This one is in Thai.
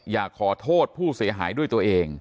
อยากขอโทษผู้เสียหายด้วยตัวเอง